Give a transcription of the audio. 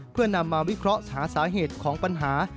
เพื่อนำมาวิเคราะห์หาสาเหตุของปัญหา